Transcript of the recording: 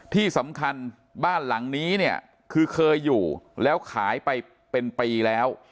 ที่สำคัญบ้านหลังนี้เนี่ยคือเคยอยู่แล้วขายไปเป็นปีแล้ว